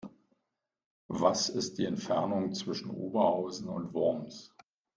Was ist die Entfernung zwischen Oberhausen und Worms?